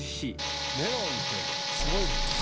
メロンってすごいですね。